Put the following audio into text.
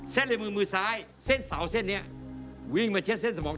ในมือมือซ้ายเส้นเสาเส้นนี้วิ่งมาเช็ดเส้นสมอง